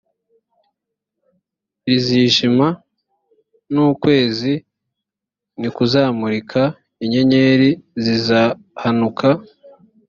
rizijima n ukwezi ntikuzamurika inyenyeri zizahanuka